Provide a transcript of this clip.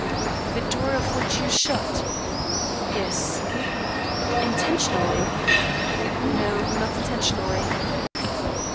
"The door of which you shut?" "Yes." "Intentionally?" "No, not intentionally."